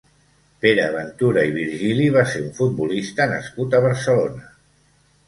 Pere Ventura i Virgili va ser un futbolista nascut a Barcelona.